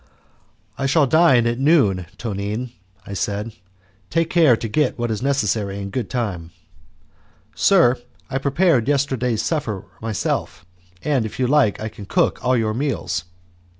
"I shall dine at noon, Tonine," I said, "take care to get what is necessary in good time." "Sir, I prepared yesterday's supper myself, and if you like I can cook all your meals."